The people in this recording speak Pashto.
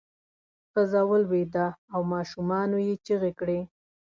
ښځه ولویده او ماشومانو یې چغې کړې.